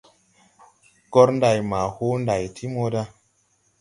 Gor nday ma hoo nday ti moda.